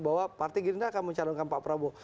bahwa partai gerindra akan mencalonkan pak prabowo